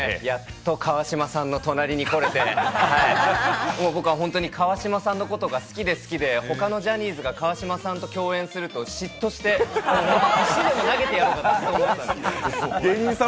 やっと川島さんの隣に来れてもう僕は本当に川島さんのことが好きで好きでほかのジャニーズが川島さんと共演すると嫉妬して、石でも投げてやろうかと。